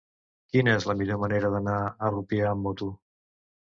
Quina és la millor manera d'anar a Rupià amb moto?